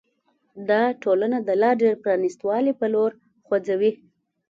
دا ټولنه د لا ډېر پرانیست والي په لور خوځوي.